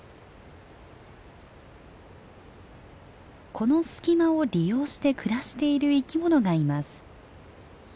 この隙間を利用して暮らしている生き物がいます。